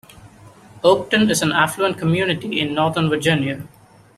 Oakton is an affluent community in Northern Virginia.